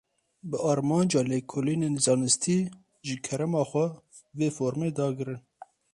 Bi armanca lêkolînên zanistî, ji kerema xwe, vê formê dagirin